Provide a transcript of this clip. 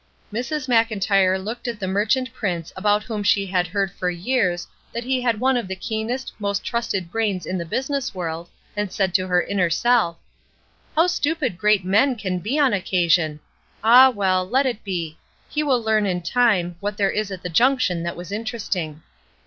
410 ESTER RIED'S NAMESAKE Mrs. Mclntyre looked at the merchant prince about whom she had heard for years that he had one of the keenest, most trusted brains in the business world, and said to her inner self :—, ''How stupid great men can be on occasion! Ah, well, let it be. He will learn, in time, what there was at the junction that was interesting."